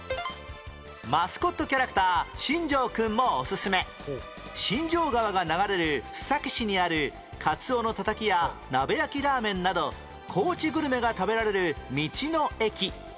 マスコットキャラクターしんじょう君もおすすめ新荘川が流れる須崎市にあるカツオのたたきや鍋焼きラーメンなど高知グルメが食べられる道の駅